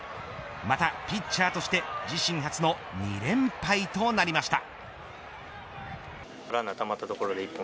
またピッチャーとして自身初の２連敗となりました。